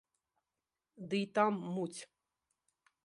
Ды й там муць.